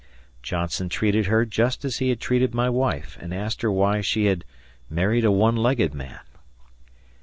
Johnson treated her just as he had treated my wife, and asked her why she had "married a one legged man."